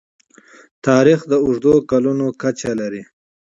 تاریخ د اوږدو کلونو کچه لري.